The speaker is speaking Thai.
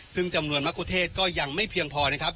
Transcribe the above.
ซึ่งจำนวนมะคุเทศก็ยังไม่เพียงพอนะครับ